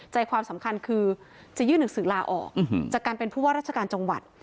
ใจความสำคัญคือจะยื่นหนังสือลาออกจากการเป็นผู้ว่าราชการจังหวัด